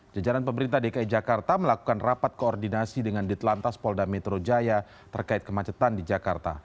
jajaran pemerintah dki jakarta melakukan rapat koordinasi dengan ditelantas polda metro jaya terkait kemacetan di jakarta